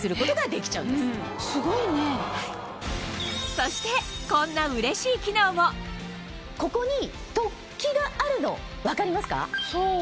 そしてこんなここに突起があるの分かりますか？